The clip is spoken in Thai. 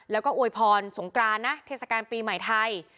แล้วก็อวยพรสงกรานนะเทศกาลปีใหม่ไทย